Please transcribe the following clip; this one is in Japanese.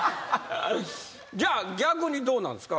じゃあ逆にどうなんですか？